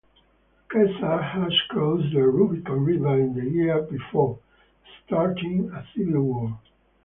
Caesar had crossed the Rubicon River in the year before, starting a civil war.